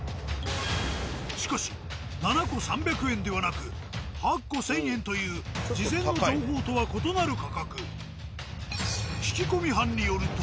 しかし７個３００円ではなく８個１，０００円という事前の情報とは異なる価格。